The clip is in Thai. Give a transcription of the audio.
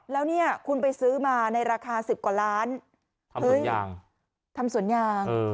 แล้วนี่คุณไปซื้อมาในราคา๑๐กว่าล้านทำสวนยาง